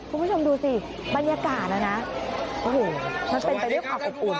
คุณผู้ชมดูสิบรรยากาศนะนะโอ้โหมันเป็นไปด้วยความอบอุ่น